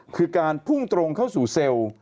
คือการพุ่งตรงเข้าสู่เซลล์